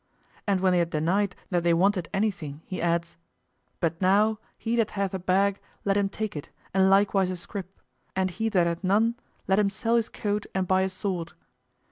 And when they had denied that they wanted anything, he adds, "But now, he that hath a bag, let him take it, and likewise a scrip; and he that hath none, let him sell his coat and buy a sword."